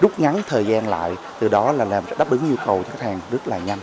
rút ngắn thời gian lại từ đó là làm đáp ứng nhu cầu cho khách hàng rất là nhanh